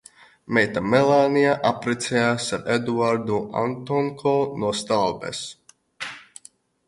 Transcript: Meita Melānija apprecējās ar Eduardu Antonko no Stalbes.